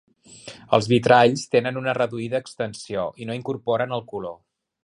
Els vitralls tenen una reduïda extensió i no incorporen el color.